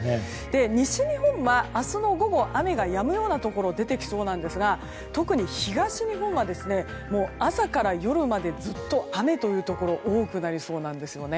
西日本は明日の午後雨がやむようなところ出てきそうなんですが特に東日本は朝から夜までずっと雨というところが多くなりそうなんですよね。